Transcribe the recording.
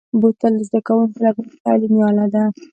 بوتل د زده کوونکو لپاره تعلیمي اله ده.